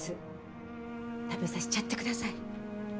食べさしちゃってください。